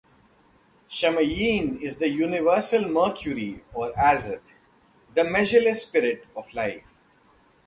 Schamayim is the Universal Mercury or Azoth -- the measureless spirit of life.